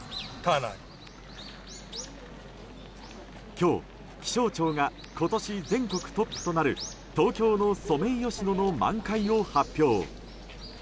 今日、気象庁が今年全国トップとなる東京のソメイヨシノの満開を発表。